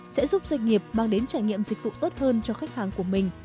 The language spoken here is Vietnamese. sẽ giúp doanh nghiệp mang đến trải nghiệm dịch vụ tốt hơn cho khách hàng của mình